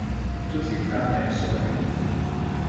Toutes les femmes aiment cela.